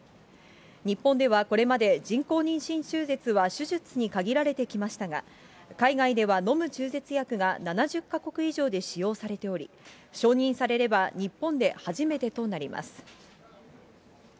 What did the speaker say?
日本ではこれまで、人工妊娠中絶は手術に限られてきましたが、海外では飲む中絶薬が７０か国以上で使用されており、承認されれば、日本で初めてとなります。